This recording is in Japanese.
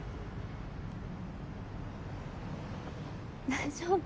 大丈夫？